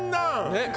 ねっ。